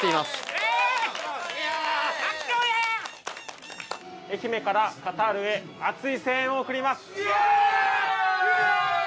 愛媛からカタールへ熱い声援を送ります。